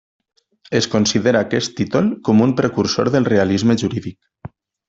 Es considera aquest títol com un precursor del realisme jurídic.